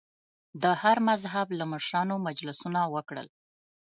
د هر مذهب له مشرانو مجلسونه وکړل.